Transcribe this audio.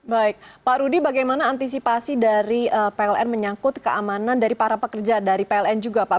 baik pak rudy bagaimana antisipasi dari pln menyangkut keamanan dari para pekerja dari pln juga pak